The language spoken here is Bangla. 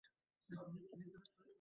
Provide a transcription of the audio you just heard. পরিশুদ্ধ করার প্রার্থনা!